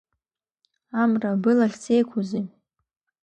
Амра, былахь зеиқәузеи?